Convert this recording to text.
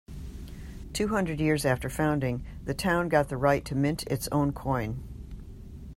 Two hundred years after founding, the town got the right to mint its own coin.